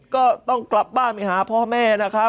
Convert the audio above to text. ก็ต้องกลับบ้านไปหาพ่อแม่นะครับ